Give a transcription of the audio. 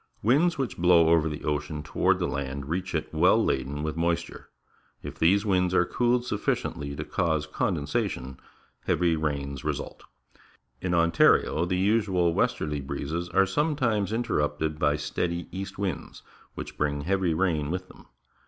Winds which blow over the ocean toward land reach it well laden with moisture. If these winds are cooled sufficiently to cause condensation, heavy rains result. In Ontario the usual westerly breezes are sometimes interrupted by steady east winds, which bring heavy rain with them.